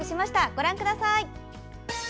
ご覧ください。